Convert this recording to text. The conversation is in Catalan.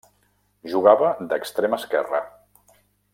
Jugava d'extrem esquerre.